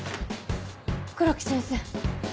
黒木先生。